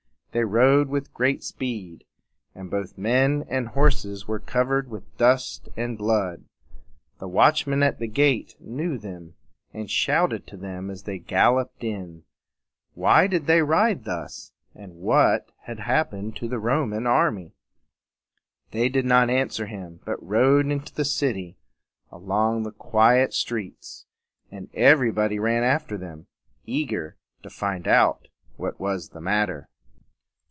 They rode with great speed; and both men and horses were covered with dust and blood. The watchman at the gate knew them, and shouted to them as they gal loped in. Why did they ride thus? and what had happened to the Roman army? They did not answer him, but rode into the city and along the quiet streets; and everybody ran after them, eager to find out what was the matter.